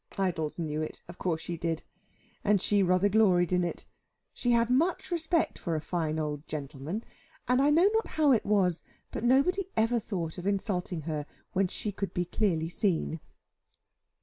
Idols knew it: of course she did. And she rather gloried in it. She had much respect for a fine old gentleman; and I know not how it was, but nobody ever thought of insulting her when she could be clearly seen.